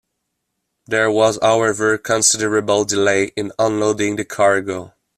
There was, however, considerable delay in unloading the cargo.